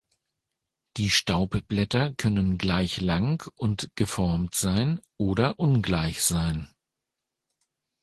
Die Staubblätter können gleich lang und geformt sein oder ungleich sein.